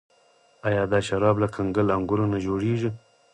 آیا دا شراب له کنګل انګورو نه جوړیږي؟